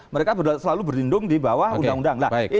mereka selalu berlindung di bawah undang undang